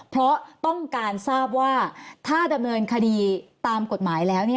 เพราะต้องการทราบว่าถ้าดำเนินคดีตามกฎหมายแล้ว